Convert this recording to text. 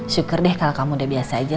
syukur deh kalau kamu udah biasa aja